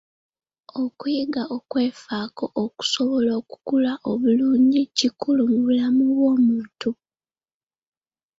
Okuyiga okwefaako okusobola okukula obulungi kikulu mu bulamu bw'omuntu